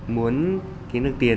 muốn kiếm được tiền